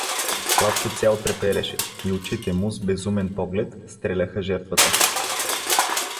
Славчо цял трепереше и очите му с безумен поглед стреляха жертвата.